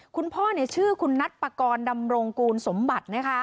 คุณพ่อชื่อคุณนัตรปกรณ์ดำรงกูลสมบัติ